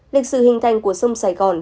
lịch sự hình thành của sông sài gòn